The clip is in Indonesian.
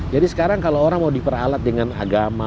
jadi sekarang kalau orang mau diperalat dengan agama